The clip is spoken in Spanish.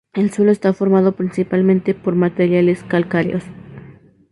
El suelo está formado principalmente por materiales calcáreos.